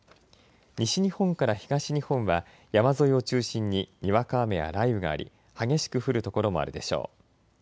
西日本から東日本は山沿いを中心ににわか雨や雷雨があり激しく降る所もあるでしょう。